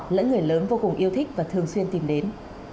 lẫn người lớn vô cùng yêu thích và thường xuyên tìm đến